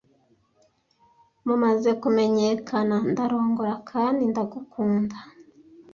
mumaze kumenyekana ndarongora kandi ndagukunda